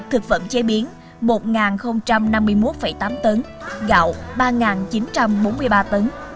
thực phẩm chế biến một năm mươi một tám tấn gạo ba chín trăm bốn mươi ba tấn